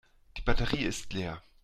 Die Batterie ist leer.